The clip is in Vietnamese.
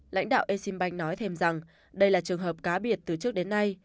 lãnh đạo exim bank nói thêm rằng đây là trường hợp cá biệt từ trước đến nay